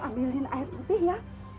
ambil air putih ya